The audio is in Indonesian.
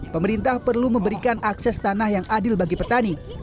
pemerintah perlu memberikan akses tanah yang adil bagi petani